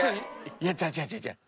いや違う違う違う違う。